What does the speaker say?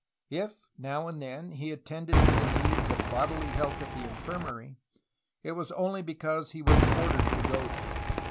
If now and then he attended to the needs of bodily health at the infirmary, it was only because he was ordered to go there.